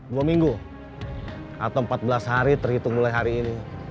dua minggu atau empat belas hari terhitung mulai hari ini